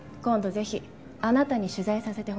ぜひあなたに取材させてほしいの。